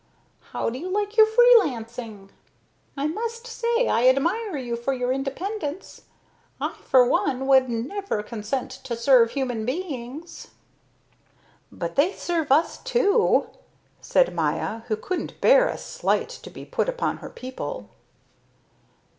"How do you like your free lancing? I must say, I admire you for your independence. I for one would never consent to serve human beings." "But they serve us too!" said Maya, who couldn't bear a slight to be put upon her people.